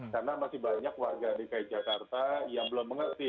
karena masih banyak warga dki jakarta yang belum mengerti